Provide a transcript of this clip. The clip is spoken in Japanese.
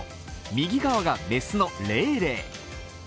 右側が雌のレイレイ。